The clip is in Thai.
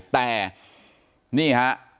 แต่นี่ฮะ